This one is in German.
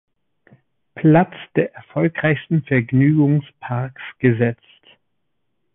Platz der erfolgreichsten Vergnügungsparks gesetzt.